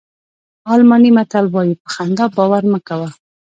الماني متل وایي په خندا باور مه کوه.